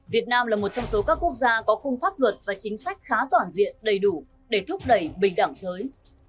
việt nam là một trong số các quốc gia có khung pháp luật và chính sách khá toàn diện đầy đủ để thúc đẩy bình đẳng giới